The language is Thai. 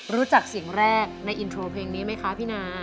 รู้จักเสียงแรกในอินโทรเพลงนี้ไหมคะพี่นา